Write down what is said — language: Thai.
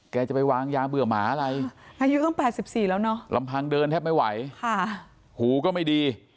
แกจะไปวางยาเบื่อหมาอะไรลำพังเดินแทบไม่ไหวหูก็ไม่ดี